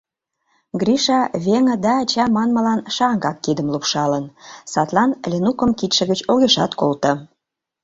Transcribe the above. Гриша «веҥе» да «ача» манмылан шаҥгак кидым лупшалын, садлан Ленукым кидше гыч огешат колто.